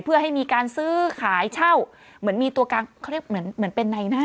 เพื่อให้มีการซื้อขายเช่าเหมือนมีตัวกลางเขาเรียกเหมือนเป็นในหน้า